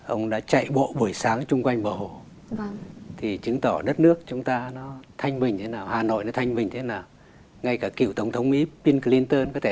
ở trên chung quanh bờ hồ chúng ta như thế